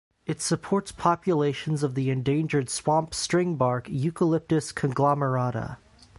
It supports populations of the endangered swamp stringbark Eucalyptus conglomerata.